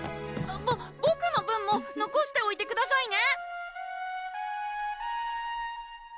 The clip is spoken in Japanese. ボボクの分ものこしておいてくださいね！